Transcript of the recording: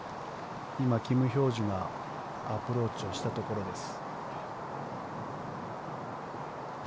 今、キム・ヒョージュがアプローチをしたところです。